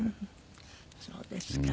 そうですか。